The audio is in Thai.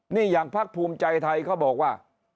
นี่อย่างพักภูมิใจไทยเขาบอกว่า